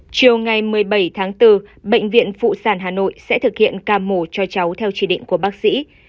chiều ngày một mươi bảy tháng bốn bệnh viện phụ sản hà nội sẽ thực hiện ca mổ cho cháu theo chỉ định của bác sĩ